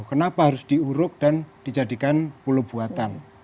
kenapa harus diuruk dan dijadikan pulau buatan